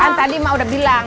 kan tadi mah udah bilang